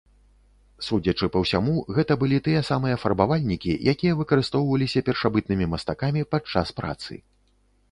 Судзячы па ўсяму гэта былі тыя самыя фарбавальнікі, якія выкарыстоўваліся першабытнымі мастакамі падчас працы.